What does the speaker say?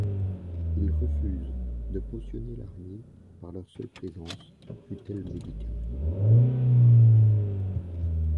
Ils refusent de cautionner l’armée par leur seule présence, fût-elle médicale.